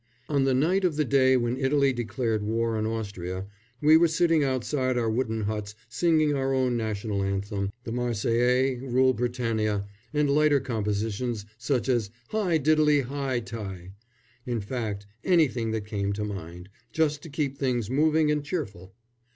On the night of the day when Italy declared war on Austria we were sitting outside our wooden huts singing our own National Anthem, the "Marseillaise," "Rule, Britannia," and lighter compositions such as "Hi! Tiddley hi ti!" in fact, anything that came to mind, just to keep things moving and cheerful.